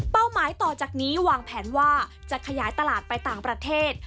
หมายต่อจากนี้วางแผนว่าจะขยายตลาดไปต่างประเทศ